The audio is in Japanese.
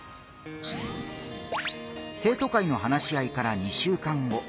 生徒会の話し合いから２週間後。